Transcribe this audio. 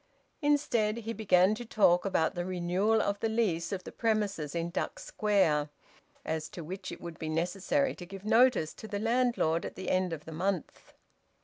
Instead, he began to talk about the renewal of the lease of the premises in Duck Square, as to which it would be necessary to give notice to the landlord at the end of the month.